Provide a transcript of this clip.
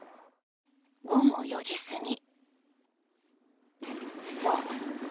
午後４時過ぎ。